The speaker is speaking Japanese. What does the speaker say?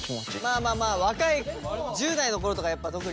まあまあまあ若い１０代の頃とかやっぱ特にね。